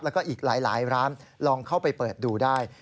แล้วก็อีกหลายร้านลองเข้าไปเปิดดูได้